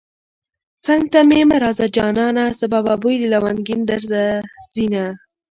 څنگ ته مې مه راځه جانانه سبا به بوی د لونگين درڅخه ځينه